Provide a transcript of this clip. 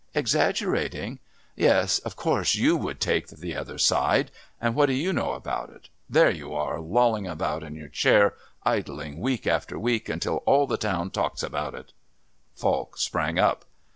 "Exaggerating? Yes, of course you would take the other side. And what do you know about it? There you are, lolling about in your chair, idling week after week, until all the town talks about it " Falk sprang up.